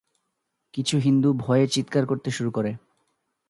কিছু হিন্দু ভয়ে চিৎকার করতে শুরু করে।